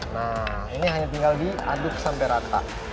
nah ini hanya tinggal diaduk sampai rata